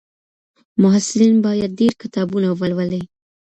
محصلین باید ډېر کتابونه ولولي.